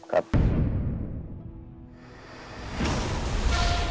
ครับ